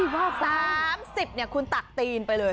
๓๐เนี่ยคุณตัดตีนไปเลย